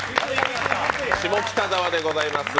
下北沢でございます。